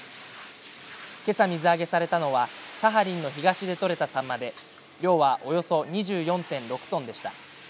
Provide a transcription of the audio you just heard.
けさ水揚げされたのはサハリンの東で取れたさんまで量はおよそ２４．６トンでした。